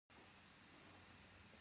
مصنوعي ځیرکتیا د معنا جوړونې بهیر بدلوي.